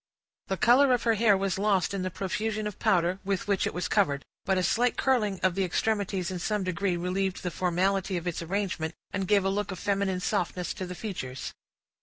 The color of her hair was lost in the profusion of powder with which it was covered; but a slight curling of the extremities in some degree relieved the formality of its arrangement, and gave a look of feminine softness to the features.